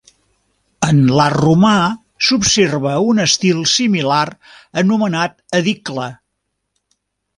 En l'art romà s'observa un estil similar anomenat edicle.